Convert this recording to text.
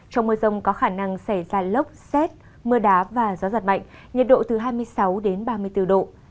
trong mưa rông có khả năng xảy ra lốc xét mưa đá và gió giật mạnh nhiệt độ từ hai mươi sáu đến ba mươi bốn độ